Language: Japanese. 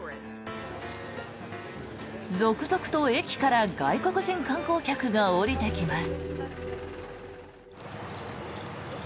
続々と駅から外国人観光客が降りてきます。